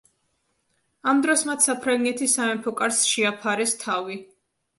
ამ დროს მათ საფრანგეთის სამეფო კარს შეაფარეს თავი.